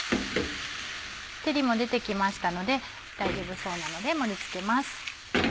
照りも出てきましたので大丈夫そうなので盛り付けます。